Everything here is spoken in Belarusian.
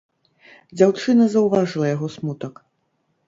Дзяўчына заўважыла яго смутак.